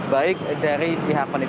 baik dari pihak penelitian